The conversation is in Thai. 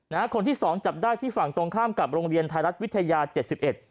นะฮะคนที่สองจับได้ที่ฝั่งตรงข้ามกับโรงเรียนไทยรัฐวิทยาเจ็ดสิบเอ็ด